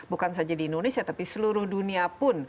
bukan saja di indonesia tapi seluruh dunia pun